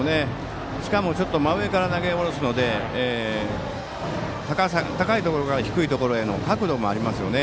しかもちょっと真上から投げ下ろすので高いところから低いところへの角度もありますよね。